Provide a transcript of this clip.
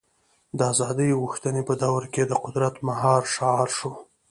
د ازادۍ غوښتنې په دور کې د قدرت مهار شعار شو.